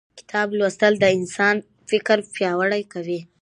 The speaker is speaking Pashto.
کتاب لوستل د انسان فکر پیاوړی کوي